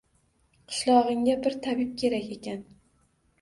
– Qishlog‘ingga bir tabib kerak ekan